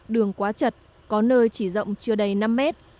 đường quá chật có nơi chỉ rộng chưa đầy năm mét